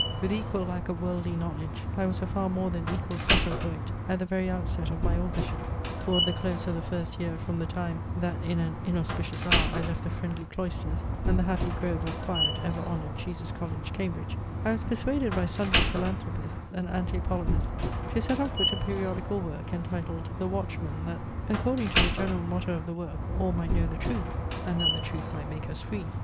With equal lack of worldly knowledge, I was a far more than equal sufferer for it, at the very outset of my authorship. Toward the close of the first year from the time, that in an inauspicious hour I left the friendly cloisters, and the happy grove of quiet, ever honoured Jesus College, Cambridge, I was persuaded by sundry philanthropists and Anti polemists to set on foot a periodical work, entitled THE WATCHMAN, that, according to the general motto of the work, all might know the truth, and that the truth might make us free!